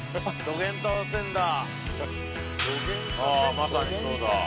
まさにそうだ。